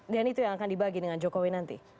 dan itu yang akan dibagi dengan jokowi nanti